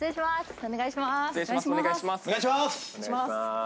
お願いしまーす。